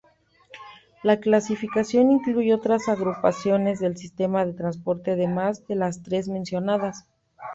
La clasificación incluye otras agrupaciones de sistema de transporte además de las tres mencionadas.